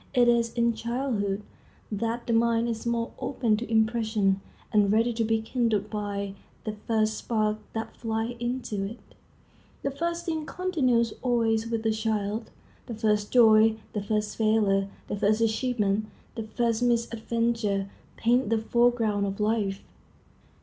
It is in childhood that the mind is most open to impression, and ready to be kindled by the first spark that flies into it. The first thing continues always with the child. The first joy, the first failure, the first achievement, the first misadventure, paint the foreground of life.